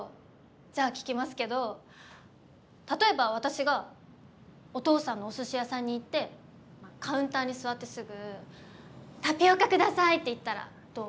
じゃあ聞きますけど例えば私がおとうさんのお鮨屋さんに行ってカウンターに座ってすぐ「タピオカ下さい」って言ったらどう？